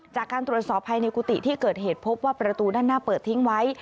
จากการตรวจสอบภายในกุฏิที่เกิดเหตุพบว่าประตูด้านหน้าเปิดทิ้งไว้